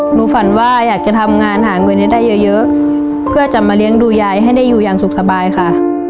ฝันว่าอยากจะทำงานหาเงินให้ได้เยอะเพื่อจะมาเลี้ยงดูยายให้ได้อยู่อย่างสุขสบายค่ะ